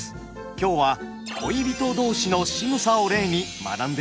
今日は恋人同士のしぐさを例に学んでいきましょう。